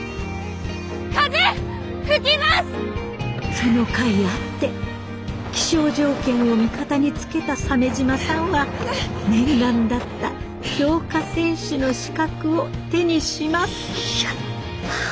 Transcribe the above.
そのかいあって気象条件を味方につけた鮫島さんは念願だった強化選手の資格を手にします。